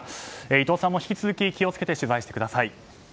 伊藤さんも引き続き気を付けて取材してください。